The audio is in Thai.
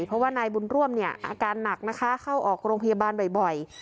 เพราะว่านายบุญร่วมเนี่ยอาการหนักนะคะเข้าออกโรงพยาบาลบ่อย